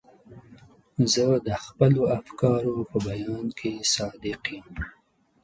زه د خپلو افکارو په بیان کې صادق یم.